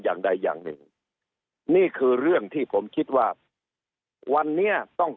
อย่างใดอย่างหนึ่งนี่คือเรื่องที่ผมคิดว่าวันนี้ต้อง